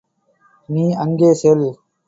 நீ அங்கே செல்!